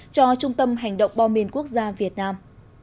cho trung tâm hành động bom mìn quốc gia việt nam